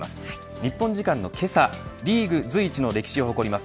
日本時間のけさリーグ随一の歴史を誇ります